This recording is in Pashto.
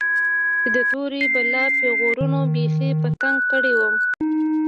چې د تورې بلا پيغورونو بيخي په تنگ کړى وم.